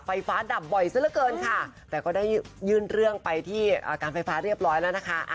ไฟฟ้าดับบ่อยซะละเกินค่ะแต่ก็ได้ยื่นเรื่องไปที่การไฟฟ้าเรียบร้อยแล้วนะคะ